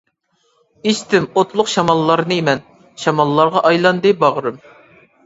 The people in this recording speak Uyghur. ئىچتىم ئوتلۇق شاماللارنى مەن، شاماللارغا ئايلاندى باغرىم.